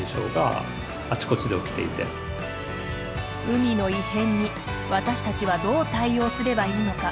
海の異変に私たちはどう対応すればいいのか。